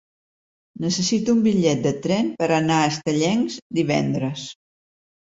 Necessito un bitllet de tren per anar a Estellencs divendres.